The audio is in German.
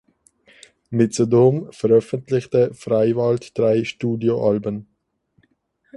Mit Sodom veröffentlichte Freiwald drei Studioalben.